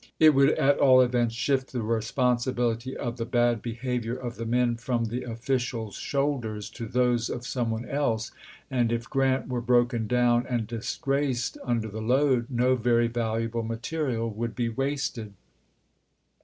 It would, at all events, shift the responsi bility of the bad behavior of the men from the officials' shoulders to those of some one else, and if Grant were broken down and disgraced under the load, no very valuable material would be wasted.